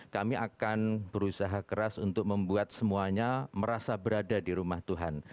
kami akan berusaha keras untuk membuat semuanya merasa berada di rumah tuhan